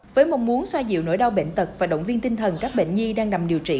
với mong muốn xoa dịu nỗi đau bệnh tật và động viên tinh thần các bệnh nhi đang nằm điều trị